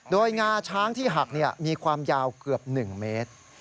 โดยงาช้างที่หักมีความยาวเกือบ๑เมตร